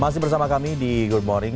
masih bersama kami di good morning